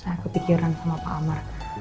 saya kepikiran sama pak amar